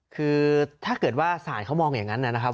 คือถ้าเกิดว่าศาลเขามองอย่างนั้นนะครับ